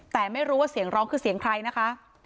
แต่ไม่รู้ว่าเสียงร้องคือเสียงใครนะคะ